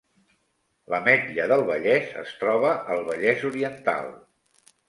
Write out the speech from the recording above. L’Ametlla del Vallès es troba al Vallès Oriental